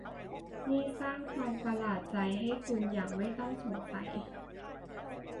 นี่สร้างความประหลาดใจให้คุณอย่างไม่ต้องสงสัย